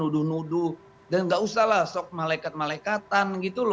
dan tidak usahlah sok malekat malekatan